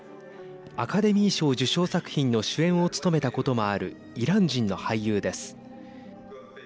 アカデミー賞受賞作品の主演を務めたこともあるイラン人の俳優です。